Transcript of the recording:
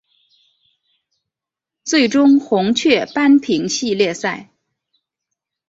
最终红雀扳平系列赛。